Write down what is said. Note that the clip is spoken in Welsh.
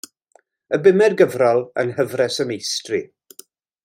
Y bumed gyfrol yng Nghyfres y Meistri.